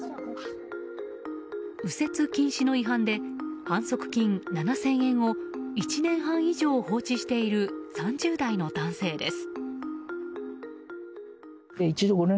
右折禁止の違反で反則金７０００円を１年半以上放置している３０代の男性です。